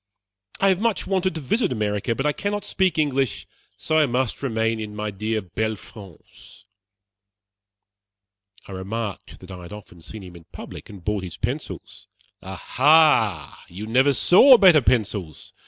I have much wanted to visit America; but I cannot speak English, so I must remain in my dear belle France." I remarked that I had often seen him in public, and bought his pencils. "Aha! you never saw better pencils.